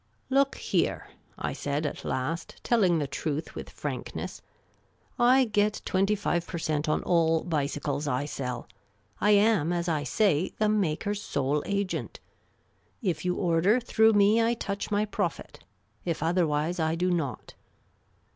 " Lookvhere," I said at last, telling the truth with frankness, " I get twenty five per cent, on all bicycles I sell. I am, as I say, the maker's Sole Agent. If you order through me, I touch my profit ; if otherwise, I do not.